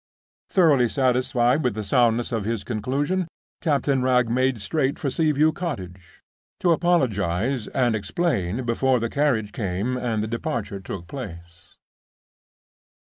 Thoroughly satisfied with the soundness of this conclusion, Captain Wragge made straight for Sea view Cottage, to apologize and explain before the carriage came and the departure took place.